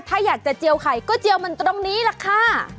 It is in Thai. ถ้าอยากจะเจียวไข่ก็เจียวมันตรงนี้แหละค่ะ